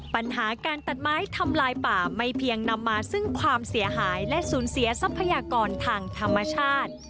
ปัญหาการตัดไม้ทำลายป่าไม่เพียงนำมาซึ่งความเสียหายและสูญเสียทรัพยากรทางธรรมชาติ